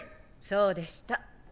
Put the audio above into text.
そうでした。